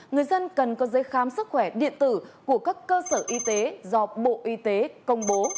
người dân cần có giấy khám sức khỏe điện tử của các cơ sở y tế do bộ y tế công bố